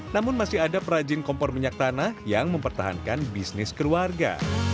namun masih ada perajin kompor minyak tanah yang mempertahankan bisnis keluarga